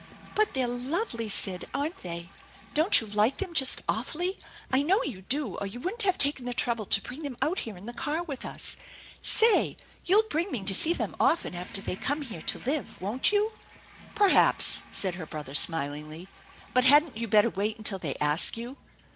"But they're lovely, Sid, aren't they? Don't you like them just awfully? I know you do, or you wouldn't have taken the trouble to bring them out here in the car with us. Say, you'll bring me to see them often after they come here to live, won't you ?"" Perhaps," said her brother smilingly. " But hadn't you better wait until they ask you?"